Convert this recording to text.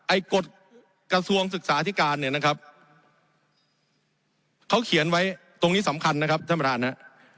กฎกระทรวงศึกษาธิการเนี่ยนะครับเขาเขียนไว้ตรงนี้สำคัญนะครับท่านประธานฮะ